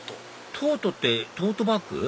トートってトートバッグ？